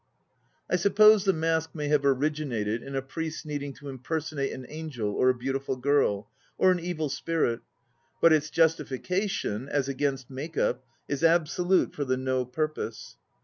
"I suppose the mask may have originated in a priest's needing to impersonate an angel or a beautiful girl, or an evil spirit; but its justification, as against make up, is absolute for the No purpose.